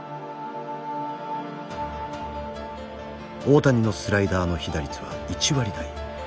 大谷のスライダーの被打率は１割台。